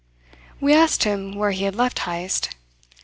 We asked him where he had left Heyst.